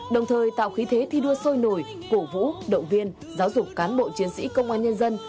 đồng thời tạo khí thế thi đua sôi nổi cổ vũ động viên giáo dục cán bộ chiến sĩ công an nhân dân